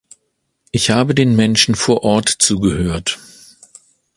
Ich habe den Menschen vor Ort zugehört.